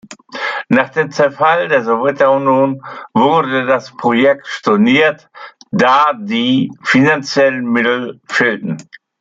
Nach dem Zerfall der Sowjetunion wurde das Projekt storniert, da die finanziellen Mittel fehlten.